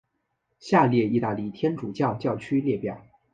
下列意大利天主教教区列表。